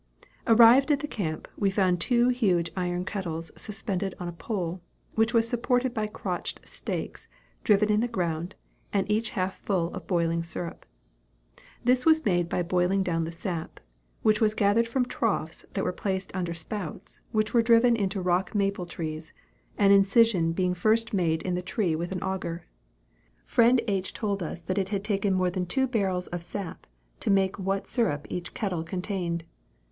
Arrived at the camp, we found two huge iron kettles suspended on a pole, which was supported by crotched stakes, driven in the ground, and each half full of boiling syrup. This was made by boiling down the sap, which was gathered from troughs that were placed under spouts which were driven into rock maple trees, an incision being first made in the tree with an auger. Friend H. told us that it had taken more than two barrels of sap to make what syrup each kettle contained.